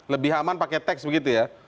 lebih aman pakai teks begitu ya